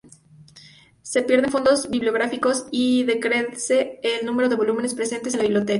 Se pierden fondos bibliográficos y decrece el número de volúmenes presentes en la Biblioteca.